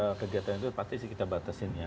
kalau kegiatan itu pasti sih kita batasin ya